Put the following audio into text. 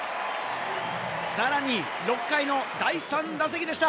さらに６回の第３打席でした。